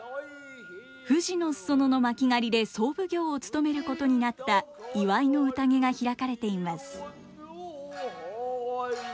富士の裾野の巻狩で総奉行を務めることになった祝いの宴が開かれています。